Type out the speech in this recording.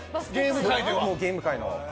ゲーム界の。